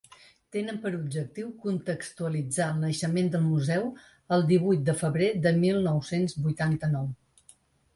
Tenen per objectiu contextualitzar el naixement del museu, el divuit de febrer de mil nou-cents vuitanta-nou.